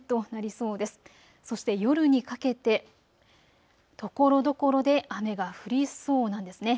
そして夜にかけてところどころで雨が降りそうなんですね。